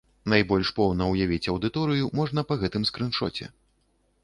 Найбольш поўна ўявіць аўдыторыю можна па гэтым скрыншоце.